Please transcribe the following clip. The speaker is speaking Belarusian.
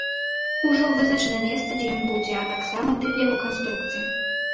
Ужо вызначана месца, дзе ён будзе, а таксама тып яго канструкцыі.